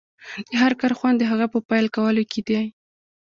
د هر کار خوند د هغه په پيل کولو کې دی.